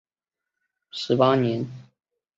蔚岭关现建筑为清光绪十八年重建。